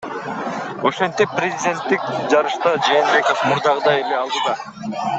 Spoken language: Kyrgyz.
Ошентип, президенттик жарышта Жээнбеков мурдагыдай эле алдыда.